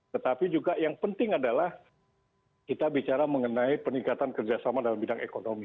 tetapi juga yang penting adalah kita bicara mengenai peningkatan kerjasama dalam bidang ekonomi